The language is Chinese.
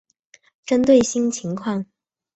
针对新情况